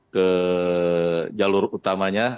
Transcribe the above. ke jalur utamanya